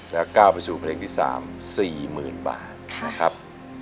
ก้าวไปสู่เพลงที่๓๔๐๐๐บาทนะครับ